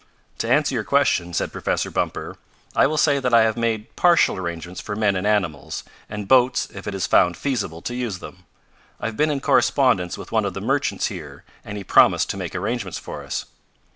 "To answer your question," said Professor Bumper, "I will say that I have made partial arrangements for men and animals, and boats if it is found feasible to use them. I've been in correspondence with one of the merchants here, and he promised to make arrangements for us."